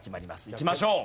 いきましょう。